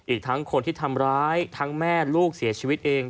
อีกทั้งคนที่ทำร้ายทั้งแม่ลูกเสียชีวิตเอง